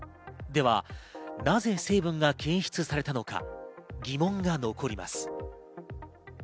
ではなぜ成分が検出されたのか疑問が残ります。